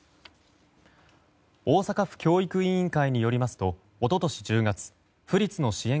大阪府教育委員会によりますと一昨年１０月府立の支援